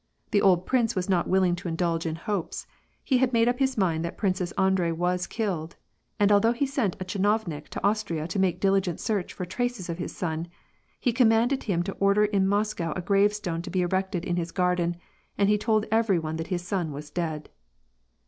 The old prince i vas not willing to indulge in hopes : he had made up his i mind that Prince Andrei was killed, and although he sent a I chinovnik to Austria to make diligent search for traces of his son, he commanded him to order in Moscow a gravestone to he erected in his garden, and he told every one that his son was dead.